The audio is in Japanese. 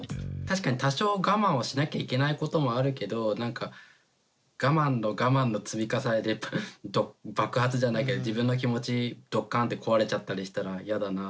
確かに多少我慢をしなきゃいけないこともあるけどなんか我慢の我慢の積み重ねで爆発じゃないけど自分の気持ちどっかんって壊れちゃったりしたら嫌だな。